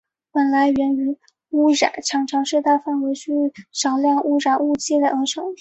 非点源污染常常是大范围区域少量污染物累积而成。